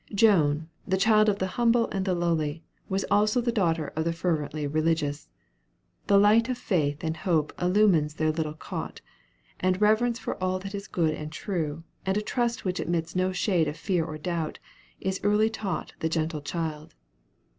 Joan, the child of the humble and the lowly, was also the daughter of the fervently religious. The light of faith and hope illumes their little cot; and reverence for all that is good and true, and a trust which admits no shade of fear or doubt, is early taught the gentle child.